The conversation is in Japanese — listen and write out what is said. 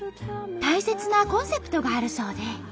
大切なコンセプトがあるそうで。